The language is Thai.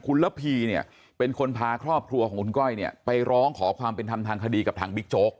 คุณระพีเป็นคนพาครอบครัวของคุณก้อยไปร้องขอความเป็นทางคดีกับทางบิ๊กโจ๊ก